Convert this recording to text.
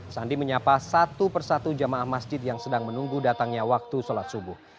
sandi menyapa satu persatu jamaah masjid yang sedang menunggu datangnya waktu sholat subuh